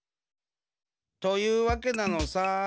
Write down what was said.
というわけなのさ。